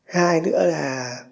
hai nữa là